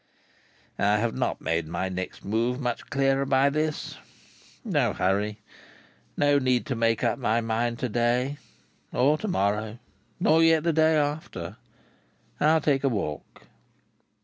"I have not made my next move much clearer by this. No hurry. No need to make up my mind to day, or to morrow, nor yet the day after. I'll take a walk."